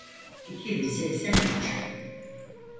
iki bin seksen üç